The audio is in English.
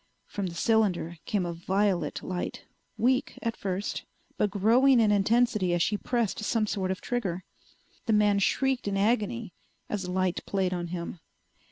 From the cylinder came a violet light, weak at first, but growing in intensity as she pressed some sort of trigger. The man shrieked in agony as the light played on him.